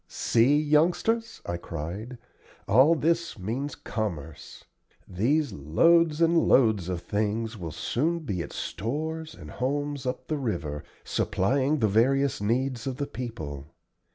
"See, youngsters," I cried, "all this means commerce. These loads and loads of things will soon be at stores and homes up the river, supplying the various needs of the people.